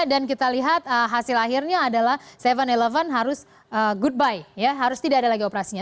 dan kita lihat hasil akhirnya adalah seven eleven harus goodbye ya harus tidak ada lagi operasinya